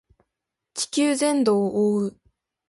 地球全土を覆う